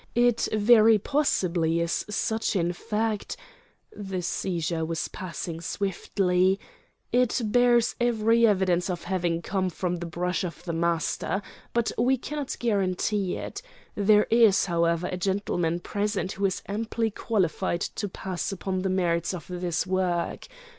It very possibly is such, in fact"—the seizure was passing swiftly—"it bears every evidence of having come from the brush of the master. But we cannot guarantee it. There is, however, a gentleman present who is amply qualified to pass upon the merits of this work.